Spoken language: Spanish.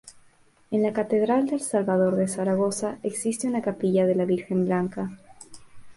En la catedral del Salvador de Zaragoza existe una capilla de la Virgen Blanca.